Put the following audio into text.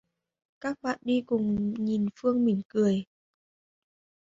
Các bạn đi cùng nhìn Phương mỉm cười